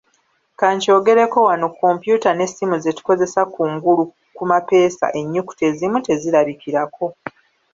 Ka nkyogereko wano kompyuta n'essimu ze tukozesa kungulu ku mapeesa ennyukuta ezimu tezirabikirako.